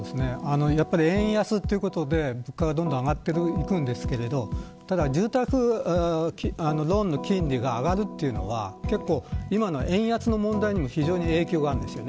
やっぱり円安ということで物価はどんどん上がっていくんですけどただ、住宅ローンの金利が上がるというのは今の円安の問題にも非常に影響があります。